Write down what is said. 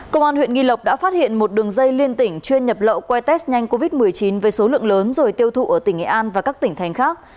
công an huyện nghi lộc đã phát hiện một đường dây liên tỉnh chuyên nhập lậu qua test nhanh covid một mươi chín với số lượng lớn rồi tiêu thụ ở tỉnh nghệ an và các tỉnh thành khác